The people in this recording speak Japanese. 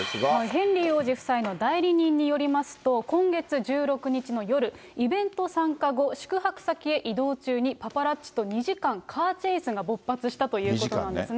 ヘンリー王子夫妻の代理人によりますと、今月１６日の夜、イベント参加後、宿泊先へ移動中に、パパラッチと２時間カーチェイスが勃発したということなんですね。